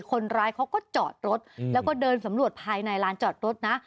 คนร้ายเขาก็จอดรถแล้วก็เดินสำรวจภายในร้านจอดรถนะ